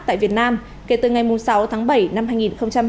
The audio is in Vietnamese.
tại việt nam kể từ ngày sáu tháng bảy năm hai nghìn hai mươi